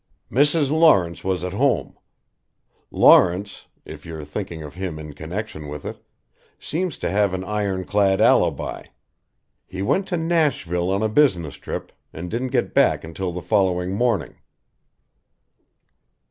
"Mrs. Lawrence was at home. Lawrence if you're thinking of him in connection with it seems to have an iron clad alibi. He went to Nashville on a business trip and didn't get back until the following morning."